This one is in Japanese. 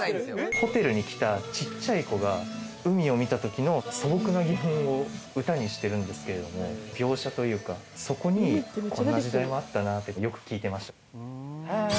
ホテルに来たちっちゃい子が海を見た時の素朴な疑問を歌にしてるんですけれども描写というかそこにこんな時代もあったなってよく聞いてました